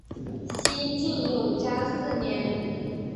西晋永嘉四年。